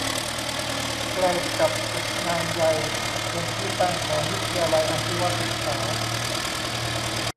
ใกล้กับกุดนางใยเป็นที่ตั้งของวิทยาลัยอาชีวศึกษา